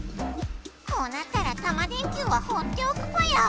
こうなったらタマ電Ｑはほうっておくぽよ。